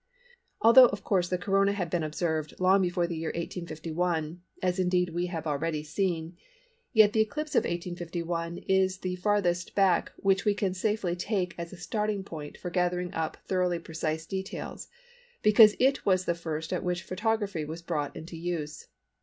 Although of course the Corona had been observed long before the year 1851, as indeed we have already seen, yet the eclipse of 1851 is the farthest back which we can safely take as a starting point for gathering up thoroughly precise details, because it was the first at which photography was brought into use.